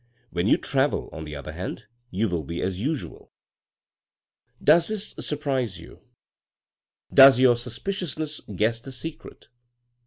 When you travel, on the other hand, you will be as usual. Does this 380 THE RED AND THE BLACK surprise you ? Does your suspiciousness guess the secret